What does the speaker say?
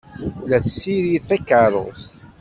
La tessirid takeṛṛust.